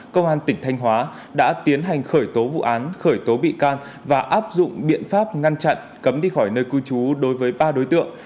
công an tỉnh thanh hóa đã tiến hành khởi tố vụ án khởi tố bị can và áp dụng biện pháp ngăn chặn cấm đi khỏi nơi cư trú đối với ba đối tượng